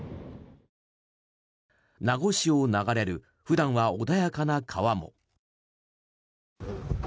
名護市を流れる普段は穏やかな川も。